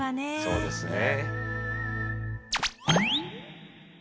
そうですね。